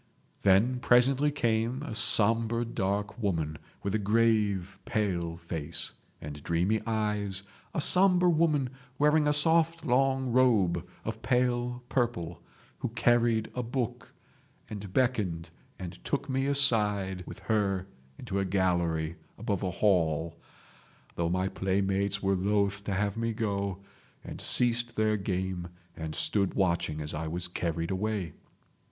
. Then presently came a sombre dark woman, with a grave, pale face and dreamy eyes, a sombre woman wearing a soft long robe of pale purple, who carried a book and beckoned and took me aside with her into a gallery above a hall—though my playmates were loth to have me go, and ceased their game and stood watching as I was carried away.